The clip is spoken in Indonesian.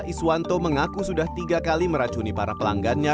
iswanto mengaku sudah tiga kali meracuni para pelanggannya